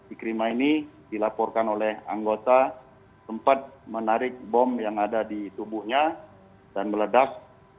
ikrima ini dilaporkan oleh anggota sempat menarik bom yang ada di tubuhnya dan meledak